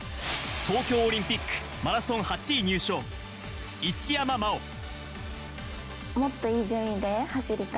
東京オリンピック、マラソン８位入賞、一山麻緒。